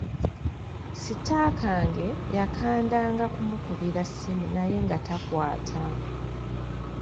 Sitakange yakandanga kumukubira ssimu naye nga takwata.